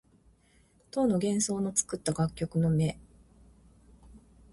唐の玄宗の作った楽曲の名。